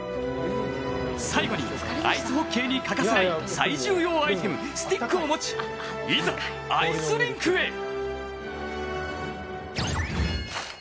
最後にアイスホッケーに欠かせない最重要アイテム、スティックを持ち、いざアイスリンクへ。